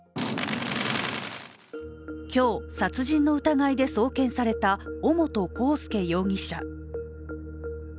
今日、殺人の疑いで送検された尾本幸祐容疑者。